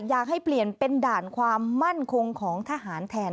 อยากให้เปลี่ยนเป็นด่านความมั่นคงของทหารแทน